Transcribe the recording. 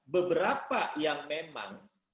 beberapa yang memang